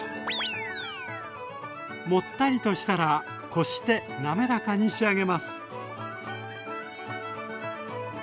モッタリとしたらこして滑らかに仕上げます。